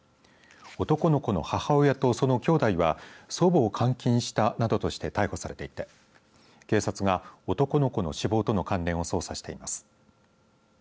男の子の母親とそのきょうだいは祖母を監禁したなどとして逮捕されていて警察が男の子の死亡との関連を捜査しています。